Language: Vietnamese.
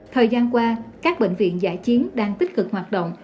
thời gian qua các bệnh viện giải chiến đang tích cực hoạt động